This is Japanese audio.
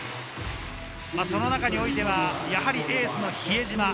その中においてエースの比江島。